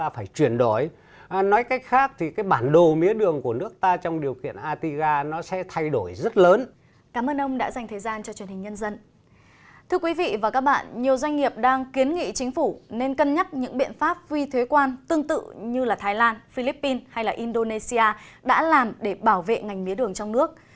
phải chăng các doanh nghiệp đang kiến nghị chính phủ nên cân nhắc những biện pháp vi thuế quan tương tự như là thái lan philippines hay là indonesia đã làm để bảo vệ ngành mía đường trong nước